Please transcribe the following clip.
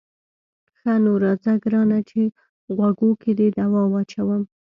ښه نو راځه ګرانه چې غوږو کې دې دوا واچوم.